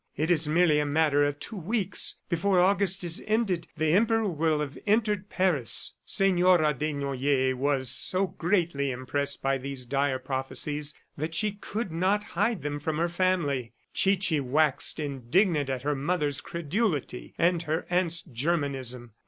It is merely a matter of two weeks. Before August is ended, the Emperor will have entered Paris." Senora Desnoyers was so greatly impressed by these dire prophecies that she could not hide them from her family. Chichi waxed indignant at her mother's credulity and her aunt's Germanism.